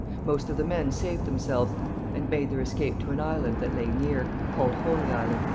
Most of the men saved themselves, and made their escape to an island that lay near, called Holy Island.